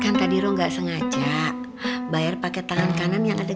kan tadi ro gak sengaja bayar pake tangan kanan yang ada gelangnya ini